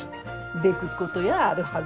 でくっことやあるはずよ。